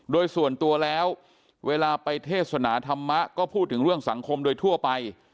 โดยส่วนตัวแล้วเวลาไปเทศนาธรรมะก็พูดถึงเรื่องสังคมโดยทั่วไป